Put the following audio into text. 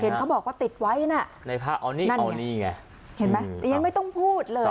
เห็นเขาบอกว่าติดไว้นะนั่นไงเห็นไหมยังไม่ต้องพูดเลย